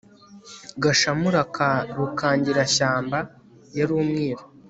gashamura ka rukangirashyamba yari umwiru